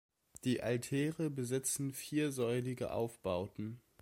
Die Altäre besitzen viersäulige Aufbauten.